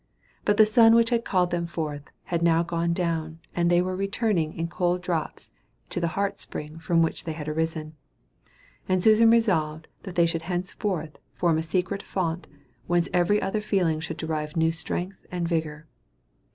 But the sun which had called them forth, had now gone down, and they were returning in cold drops to the heart springs from which they had arisen; and Susan resolved that they should henceforth form a secret fount, whence every other feeling should derive new strength and vigor.